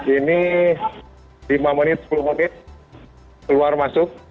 ini lima menit sepuluh menit keluar masuk